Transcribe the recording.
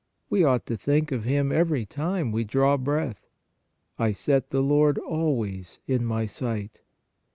We ought to think of Him every time we draw breath. " I set the Lord always in my sight."